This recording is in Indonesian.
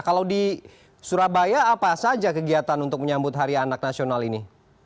kalau di surabaya apa saja kegiatan untuk menyambut hari anak nasional ini